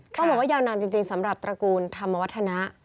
ต้องบอกว่ายาวนานจริงสำหรับตระกูลธรรมวัฒนะ